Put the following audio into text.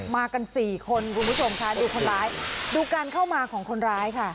มากันสี่คนคุณผู้ชมค่ะดูคนร้ายดูการเข้ามาของคนร้ายค่ะ